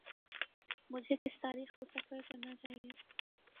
مجھے کس تاریخ کو سفر کرنا چاہیے۔